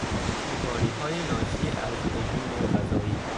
بیماریهای ناشی از رژیم غذایی